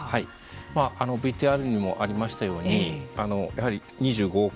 まあＶＴＲにもありましたようにやはり２５億円